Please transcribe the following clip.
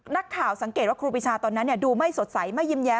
นักข่าวสังเกตว่าครูปีชาตอนนั้นดูไม่สดใสไม่ยิ้มแย้